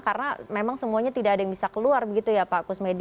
karena memang semuanya tidak ada yang bisa keluar begitu ya pak kusmedi